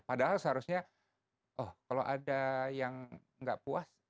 padahal seharusnya oh kalau ada yang nggak puas